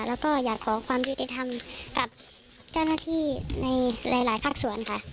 แล้วก็อยากขอความยุติธรรมกับเจ้าหน้าที่ในหลายภาคส่วนค่ะ